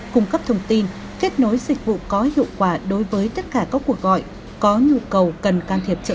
cung cấp thông tin kết nối dịch vụ có hiệu quả đối với tất cả các cuộc gọi có nhu cầu cần can thiệp